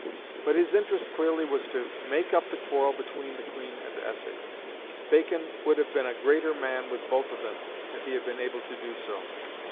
But his interest clearly was to make up the quarrel between the Queen and Essex. Bacon would have been a greater man with both of them if he had been able to do so.